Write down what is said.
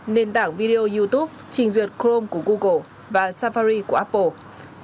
nền tảng video youtube trình duyệt crome của google và safari của apple